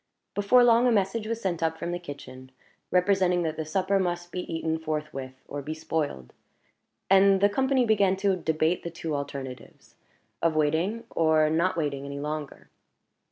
Before long a message was sent up from the kitchen, representing that the supper must be eaten forthwith, or be spoiled; and the company began to debate the two alternatives of waiting, or not waiting, any longer.